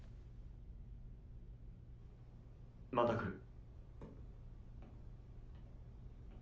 ・また来る。